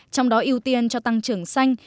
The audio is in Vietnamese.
trong đó ưu tiên cho tăng trưởng xanh